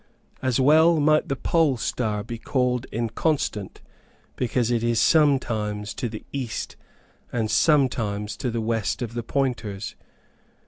As well might the pole star be called inconstant because it is sometimes to the east and sometimes to the west of the pointers.